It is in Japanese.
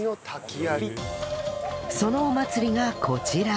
そのお祭りがこちら